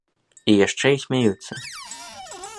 І яшчэ і смяюцца.